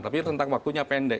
tapi rentang waktunya pendek